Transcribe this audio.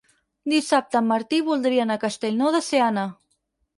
Dissabte en Martí voldria anar a Castellnou de Seana.